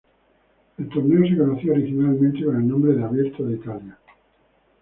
El torneo se conocía originalmente con el nombre de Abierto de Italia.